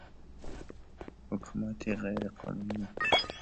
حکومت غیر قانونی